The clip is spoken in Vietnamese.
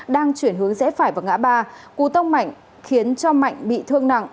đang chuyển hướng rẽ phải vào ngã ba cú tông mạnh khiến cho mạnh bị thương nặng